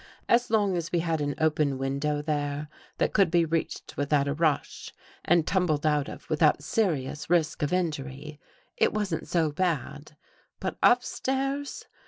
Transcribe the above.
As long as we had an open window th^e that could be reached with a rush, and tumbled out of without serious risk of injury, it wasn't so bad. But up stairs